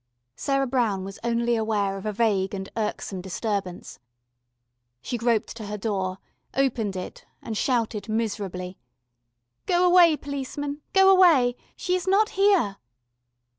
Sarah Brown was only aware of a vague and irksome disturbance. She groped to her door, opened it, and shouted miserably: "Go away, policeman, go away. She is not here."